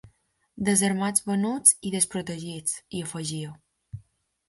“Desarmats, venuts i desprotegits”, hi afegia.